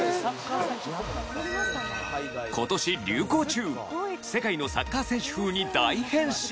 今年流行中世界のサッカー選手風に大変身！